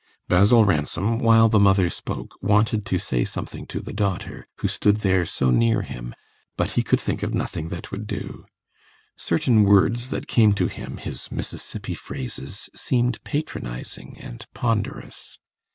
Basil Ransom, while the mother spoke, wanted to say something to the daughter, who stood there so near him, but he could think of nothing that would do; certain words that came to him, his Mississippi phrases, seemed patronising and ponderous.